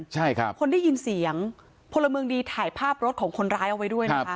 ใช่ครับคนได้ยินเสียงพลเมืองดีถ่ายภาพรถของคนร้ายเอาไว้ด้วยนะคะ